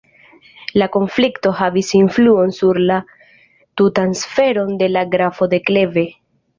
La konflikto havis influon sur la tutan sferon de la grafo de Kleve.